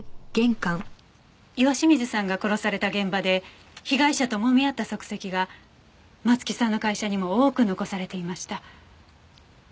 岩清水さんが殺された現場で被害者ともみ合った足跡が松木さんの会社にも多く残されていました。